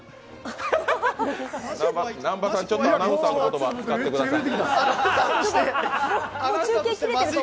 南波さん、ちょっとアナウンサーの言葉使ってくださいね。